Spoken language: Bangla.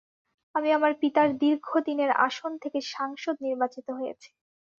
আমি আমার পিতার দীর্ঘদিনের আসন থেকে সাংসদ নির্বাচিত হয়েছি।